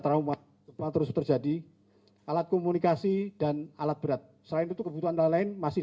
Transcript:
trauma terus terjadi alat komunikasi dan alat berat selain itu kebutuhan lain masih